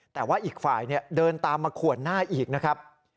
แต่ว่าอีกฝ่ายเดินตามมาขวนหน้าอีกนะครับ